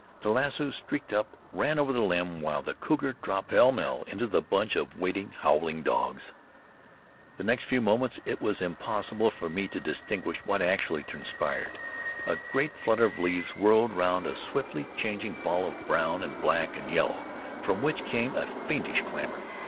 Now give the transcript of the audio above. The lasso streaked up, ran over the limb, while the cougar dropped pell mell into the bunch of waiting, howling dogs. The next few moments it was impossible for me to distinguish what actually transpired. A great flutter of leaves whirled round a swiftly changing ball of brown and black and yellow, from which came a fiendish clamor.